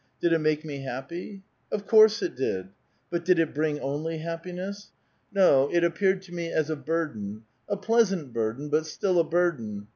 Did it make me happy? Of course it did! But did it bring only happiness ? No ; it appeared to me as a bur 824 A VITAL QUESTION. den, a pleasant burden, bnt still a burden.